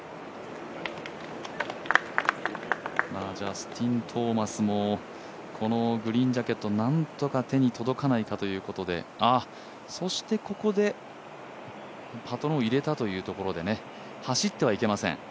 ジャスティン・トーマスもこのグリーンジャケットなんとか手に届かないかということで、そしてここでパトロンを入れたということで、走ってはいけません。